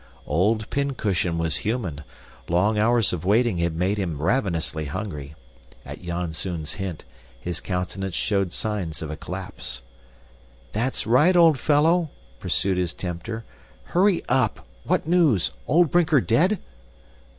Old pincushion was human long hours of waiting had made him ravenously hungry. At Janzoon's hint, his countenance showed signs of a collapse. "That's right, old fellow," pursued his tempter. "Hurry up! What news? old Brinker dead?"